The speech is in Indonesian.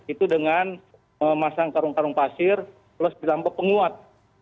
itu dengan memasang karung karung pasir terus ditampuk penguat